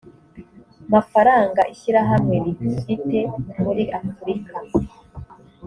mafaranga ishyirahamwe rifite muri afurika